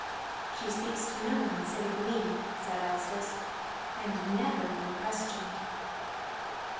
"She speaks to no one save me," said Asdis, "and never when questioned."